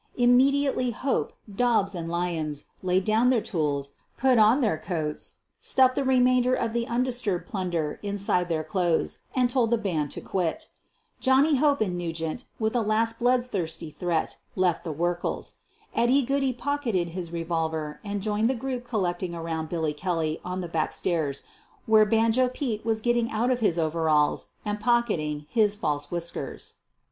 Immediately Hope, Dobbs, and Lyons laid down their tools, put on their coats, stuffed the remainder of the undisturbed plunder inside their clothes, and told the band to quit. Johnny Hope and Nugent, with a last bloodthirsty threat, left the Werkles. Eddy Goodey pocketed his revolver and joined the group collecting around Billy Kelly on the back stairs, where " Banjo Pete" was getting out of his overalls and pocketing hii5 false whiskers.